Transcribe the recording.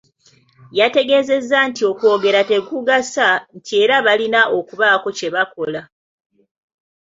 Yategeezezza nti okwogera tekugasa nti era balina okubaako kye bakola.